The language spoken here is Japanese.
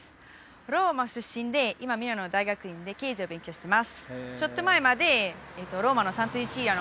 ローマ出身で今ミラノの大学院で経済を勉強しています